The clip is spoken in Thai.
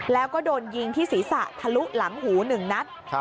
แล้วก็โดนยิงที่ศีรษะทะลุหลังหู๑นัด